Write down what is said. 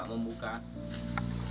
tidak tidak tidak tidak